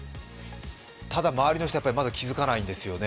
ただ、周りの人はまだ気付かないんですよね。